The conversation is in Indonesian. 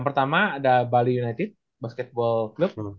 pertama ada bali united basketball club